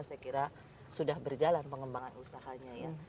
saya kira sudah berjalan pengembangan usahanya ya